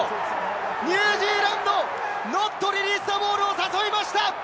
ニュージーランド、ノットリリースザボールを誘いました。